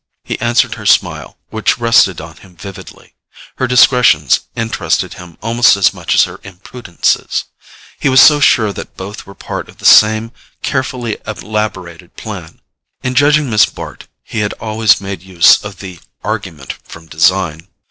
He answered her smile, which rested on him vividly. Her discretions interested him almost as much as her imprudences: he was so sure that both were part of the same carefully elaborated plan. In judging Miss Bart, he had always made use of the "argument from design."